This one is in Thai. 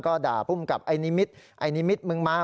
ก็ด่าภูมิกับไอ้นิมิตรไอ้นิมิตมึงมา